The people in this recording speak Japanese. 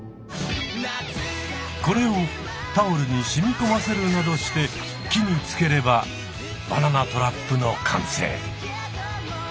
これをタオルにしみこませるなどして木につければバナナトラップの完成。